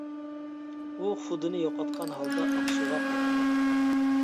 ئۇ خۇدىنى يوقاتقان ھالدا ئاقسۇغا قايتتى.